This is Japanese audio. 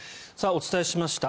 お伝えしました